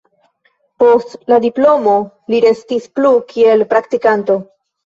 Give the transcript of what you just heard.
Post la diplomo li restis plu kiel praktikanto.